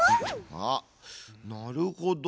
あっなるほど。